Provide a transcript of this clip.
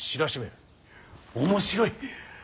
面白い。